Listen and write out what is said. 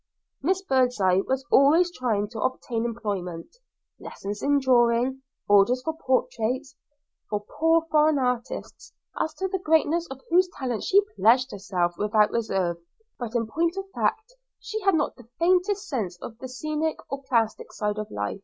Miss Birdseye was always trying to obtain employment, lessons in drawing, orders for portraits, for poor foreign artists, as to the greatness of whose talent she pledged herself without reserve; but in point of fact she had not the faintest sense of the scenic or plastic side of life.